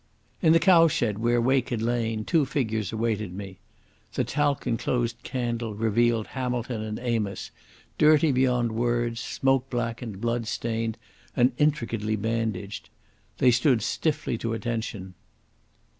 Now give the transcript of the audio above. In the cowshed where Wake had lain, two figures awaited me. The talc enclosed candle revealed Hamilton and Amos, dirty beyond words, smoke blackened, blood stained, and intricately bandaged. They stood stiffly to attention.